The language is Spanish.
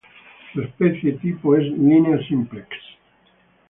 Su especie tipo es "Linea simplex".